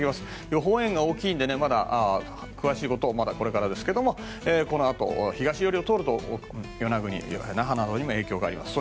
予報円が大きいのでまだ詳しいことはこれからですがこのあと東寄りを通ると与那国、那覇などにも影響があります。